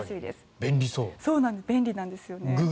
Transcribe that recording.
便利なんですよね。